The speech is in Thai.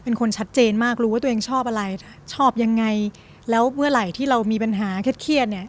เป็นคนชัดเจนมากรู้ว่าตัวเองชอบอะไรชอบยังไงแล้วเมื่อไหร่ที่เรามีปัญหาเครียดเนี่ย